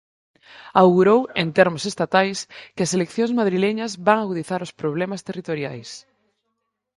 Augurou en "termos estatais" que as eleccións madrileñas "van agudizar os problemas territoriais".